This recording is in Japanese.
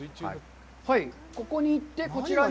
はい、ここに行って、こちらに？